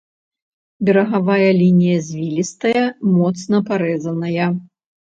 Берагавая лінія звілістая, моцна парэзаная.